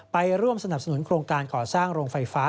ไปร่วมสนับสนุนโครงการก่อสร้างโรงไฟฟ้า